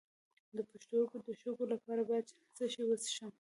د پښتورګو د شګو لپاره باید څه شی وڅښم؟